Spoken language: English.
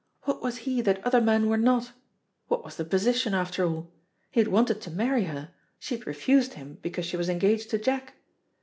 What was he that other men were not? What was the position, after all? He had wanted to marry her; she had refused him because she was engaged to Jack.